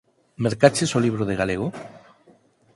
Mercaches o libro de galego?